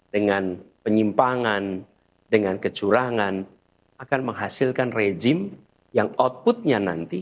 dengan penyimpangan dengan kecurangan akan menghasilkan rejim yang outputnya nanti